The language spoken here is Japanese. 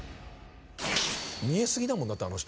見えすぎだもんだってあの人。